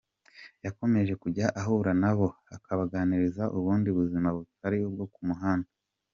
Yakomeje kujya ahura nabo akabaganiriza ubundi buzima butari ubwo ku muhanda.